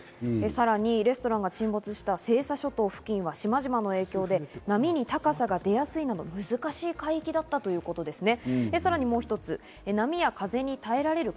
さらにレストランが沈没した西沙諸島付近は島々の影響で波に高さが出やすいので、難しい海域だったということですね。